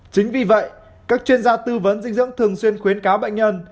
chính vì vậy các chuyên gia tư vấn dinh dưỡng thường xuyên khuyến cáo bệnh nhân